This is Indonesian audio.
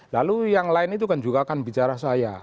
lalu yang lain itu kan juga akan bicara saya